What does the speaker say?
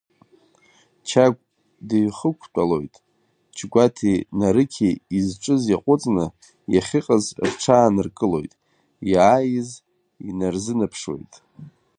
Чагә дыҩхықәтәалоит, Џьгәаҭи Нарықьи изҿыз иаҟәыҵны иахьыҟац рҽааныркылоит, иааиз инарзынаԥшуеит.